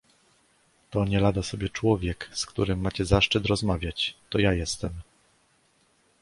"To nielada sobie człowiek, z którym macie zaszczyt rozmawiać, to ja jestem!"